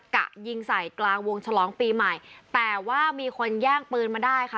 กะยิงใส่กลางวงฉลองปีใหม่แต่ว่ามีคนแย่งปืนมาได้ค่ะ